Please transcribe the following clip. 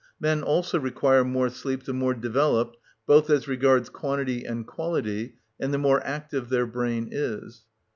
Men also require more sleep the more developed, both as regards quantity and quality, and the more active their brain is.